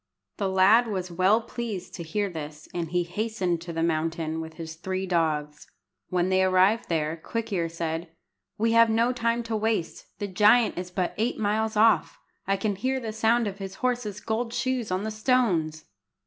The lad was well pleased to hear this, and hastened to the mountain with his three dogs. When they arrived there, Quick ear said "We have no time to waste. The giant is but eight miles off. I can hear the sound of his horse's gold shoes on the stones!"